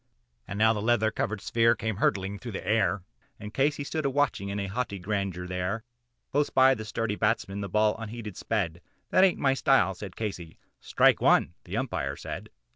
And now the leather covered sphere came hurtling through the air, And Casey stood a watching it in haughty grandeur there; Close by the sturdy batsman the ball unheeded sped "That hain't my style," said Casey "Strike one," the Umpire said.